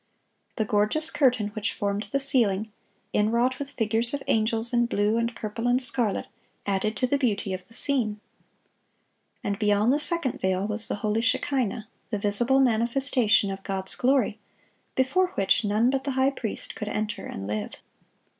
The gorgeous curtain which formed the ceiling, inwrought with figures of angels in blue and purple and scarlet, added to the beauty of the scene. And beyond the second veil was the holy shekinah, the visible manifestation of God's glory, before which none but the high priest could enter and live.